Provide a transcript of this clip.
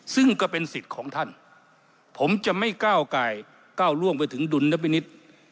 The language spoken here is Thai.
ซึ่งก็เป็นสิทธิ์ของท่านผมจะไม่ก้าวกายก้าวล่วงไปถึงดุลนพินิษฐ์